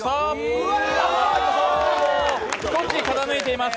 少し傾いています。